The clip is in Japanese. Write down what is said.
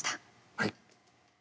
はい。